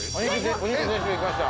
お肉全種類いきました。